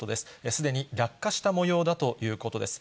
すでに落下したもようだということです。